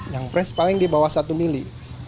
yang pres paling di bawah satu mili